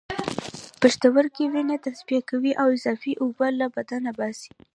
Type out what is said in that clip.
پښتورګي وینه تصفیه کوي او اضافی اوبه له بدن باسي